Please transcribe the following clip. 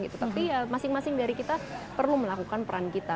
tapi ya masing masing dari kita perlu melakukan peran kita